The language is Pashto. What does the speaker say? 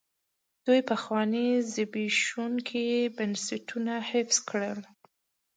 دوی پخواني زبېښونکي بنسټونه حفظ کړل.